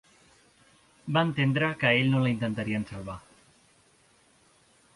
Va entendre que a ell no l'intentarien salvar.